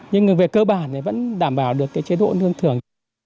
nhưng về cơ bản thì vẫn đảm bảo được cái chế độ lương thường